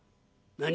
「何？」。